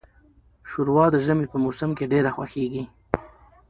شوروا د ژمي په موسم کې ډیره خوښیږي.